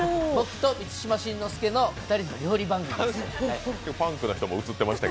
僕と満島真之介の料理番組です。